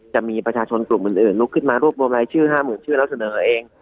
จะมีประชาชนกลุ่มอื่นลุกขึ้นมารวบรวมรายชื่อ๕๐๐๐ชื่อแล้วเสนอเอง